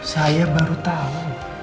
saya baru tahu